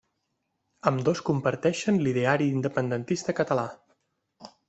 Ambdós comparteixen l'ideari independentista català.